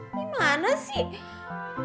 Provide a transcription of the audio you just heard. ini mana sih